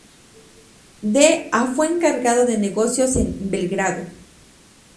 De a fue Encargado de negocios en Belgrado.